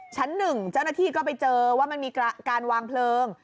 ชั้นหนึ่งเจ้าหน้าที่ก็ไปเจอว่ามันมีการวางเพลิง